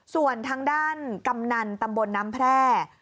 ส่วนทางด้านกำนันตำบลน้ำแพร่